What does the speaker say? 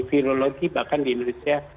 virologi bahkan di indonesia